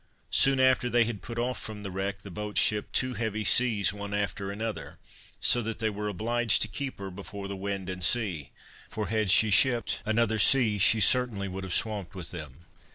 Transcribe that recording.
Soon after they had put off from the wreck the boat shipped two heavy seas, one after another, so that they were obliged to keep her before the wind and sea; for had she shipped another sea, she certainly would have swamped with them.